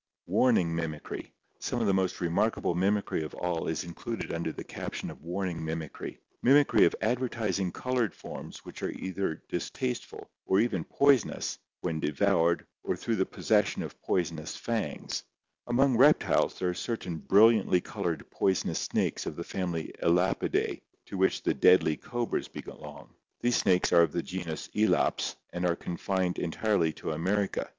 Warning Mimicry.— Some of the most remarkable mimicry of all is in cluded under the caption of warning mimicry — mimicry of advertisingly col ored forms which are distasteful or even poisonous either when devoured or through the possession of poisonous fangs. Among reptiles there are cer tain brilliantly colored poisonous snakes Fig. 37.— Dead leaf butterfly, of the family Elapidas to which the Xdlima paroled*, (rom India. deadly cobras belong. These snakes " ei3mium are of the genus Elaps and are confined entirely to America.